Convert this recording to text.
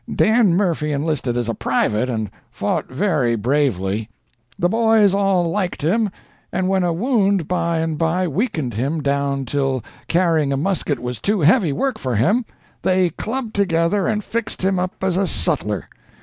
Dan Murphy enlisted as a private, and fought very bravely. The boys all liked him, and when a wound by and by weakened him down till carrying a musket was too heavy work for him, they clubbed together and fixed him up as a sutler.